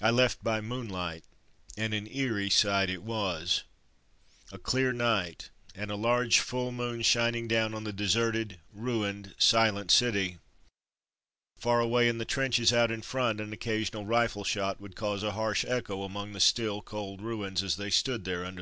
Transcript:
I left by moonlight, and an eerie sight it was. A clear night, and a large, full moon shining down on the deserted, ruined, silent city. Far away in the trenches out in front an occasional rifle shot would cause a harsh echo amongst the still, cold ruins as they stood there und